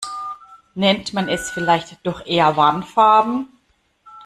Nennt man es vielleicht doch eher Warnfarben.